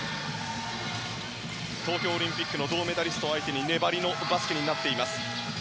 東京オリンピックの銅メダリスト相手に粘りのバスケになっています。